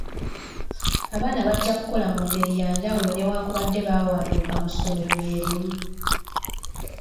Abaana bajja kukola mu ngeri ya njawulo newankubadde bawanduka mu ssomero lye limu.